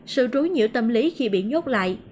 sự rúi nhữ tâm lý khi bị nhốt lại